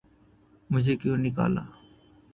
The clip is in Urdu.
'مجھے کیوں نکالا؟